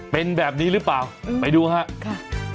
เป็นแบบนี้หรือเปล่าไปดูครับ